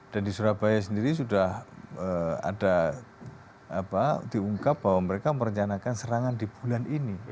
dan di surabaya sendiri sudah ada apa diungkap bahwa mereka merencanakan serangan di bulan ini